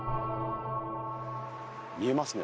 見えますね。